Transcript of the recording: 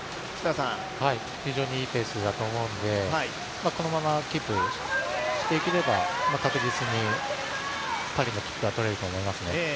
非常にいいペースだと思うので、このままキープしていければ、確実にパリの切符はとれると思いますね。